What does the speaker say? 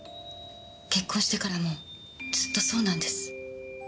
結婚してからもずっとそうなんです。